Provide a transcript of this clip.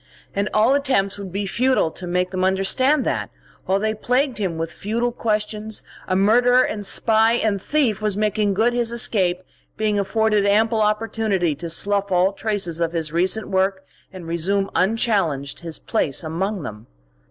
And all attempts would be futile to make them understand that, while they plagued him with futile questions, a murderer and spy and thief was making good his escape, being afforded ample opportunity to slough all traces of his recent work and resume unchallenged his place among them.